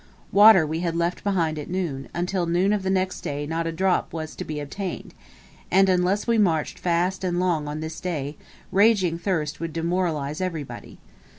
Water we had left behind at noon: until noon of the next day not a drop was to be obtained; and unless we marched fast and long on this day, raging thirst would demoralize everybody.